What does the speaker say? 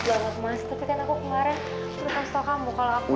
tapi kan aku kemarin udah kasih tau kamu kalau aku